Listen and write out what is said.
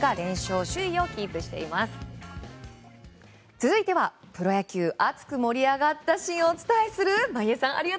続いてはプロ野球、熱く盛り上がったシーンをお伝えする。